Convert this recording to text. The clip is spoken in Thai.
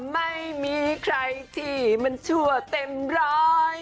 ไม่มีใครที่มันชั่วเต็มร้อย